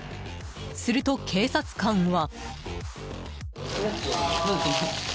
すると警察官は。